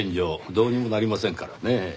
どうにもなりませんからねぇ。